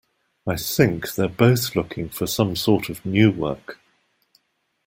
I think they're both looking for some sort of new work.